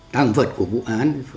tăng vật của vụ án